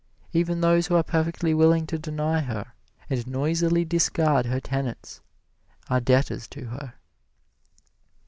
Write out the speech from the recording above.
Even those who are perfectly willing to deny her, and noisily discard her tenets, are debtors to her.